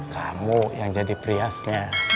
kamu yang jadi priasnya